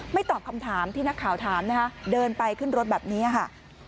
ตอบคำถามที่นักข่าวถามนะคะเดินไปขึ้นรถแบบนี้ค่ะ